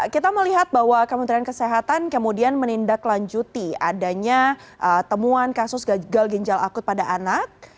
kita melihat bahwa kementerian kesehatan kemudian menindaklanjuti adanya temuan kasus gagal ginjal akut pada anak